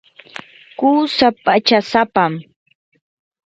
qusaa pachasapam.